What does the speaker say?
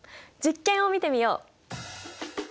実験を見てみよう。